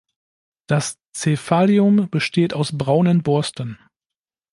Das Cephalium besteht aus braunen Borsten.